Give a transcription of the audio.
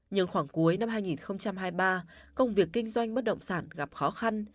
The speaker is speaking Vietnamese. nhưng khoảng cuối năm hai nghìn hai mươi ba công việc kinh doanh bất động sản gặp khó khăn